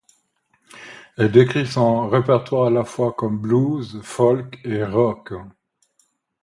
Elle décrit son répertoire à la fois comme blues, folk et rock.